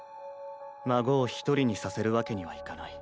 孫を１人にさせるわけにはいかない。